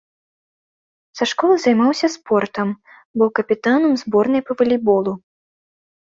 Са школы займаўся спортам, быў капітанам зборнай па валейболу.